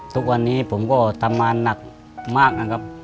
ทุกวันนี้ผมก็ทำงานหนักมากนะครับ